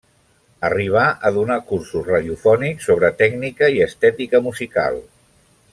Arribà a donar cursos radiofònics sobre tècnica i estètica musical.